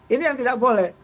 ini yang tidak boleh